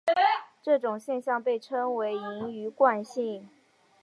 这种现象被称为盈余惯性。